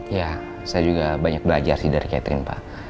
ya saya juga banyak belajar sih dari catherine pak